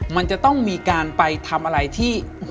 มันจะต้องมีการไปทำอะไรที่